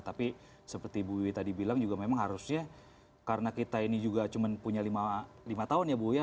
tapi seperti bu wiwi tadi bilang juga memang harusnya karena kita ini juga cuma punya lima tahun ya bu ya